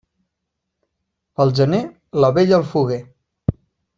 Pel gener, la vella al foguer.